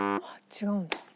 違うんだ。